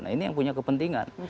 nah ini yang punya kepentingan